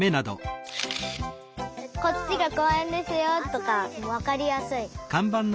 「こっちがこうえんですよ」とかわかりやすい。